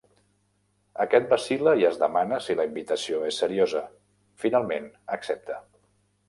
Aquest vacil·la i es demana si la invitació és seriosa, finalment accepta.